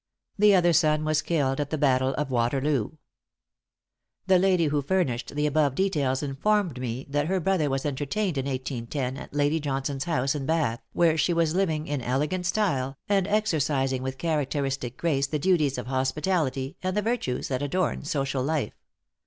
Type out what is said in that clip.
The other son was killed at the battle of Waterloo. The lady who furnished the above details, informed me that her brother was entertained in 1810, at Lady Johnson's house in Bath, where she was living in elegant style, and exercising with characteristic grace the duties of hospitality, and the virtues that adorn social life.